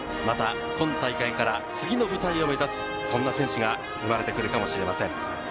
また今大会から次の舞台を目指す、そんな選手が生まれてくるかもしれません。